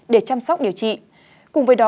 để chăm sóc điều trị cùng với đó